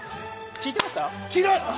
聞いてました！